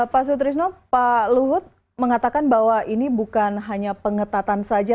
pak sutrisno pak luhut mengatakan bahwa ini bukan hanya pengetatan saja